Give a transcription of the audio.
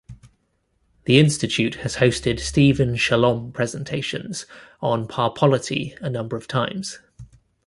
The institute has hosted Stephen Shalom presentations on parpolity a number of times.